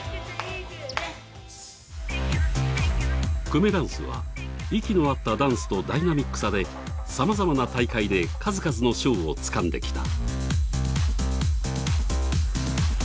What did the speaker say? くめだんすは息の合ったダンスとダイナミックさでさまざまな大会で数々の賞をつかんできた。